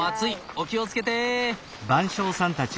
お気を付けて！